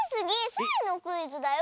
スイのクイズだよ。